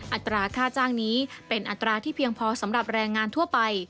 อัตราค่าจ้างนี้เป็นอัตราที่เพียงพอสำหรับแรงงานทั่วไป